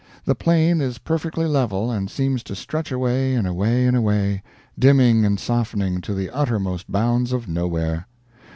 The plain is perfectly level, and seems to stretch away and away and away, dimming and softening, to the uttermost bounds of nowhere.